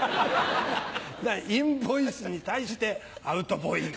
だからインボイスに対してアウトボイン。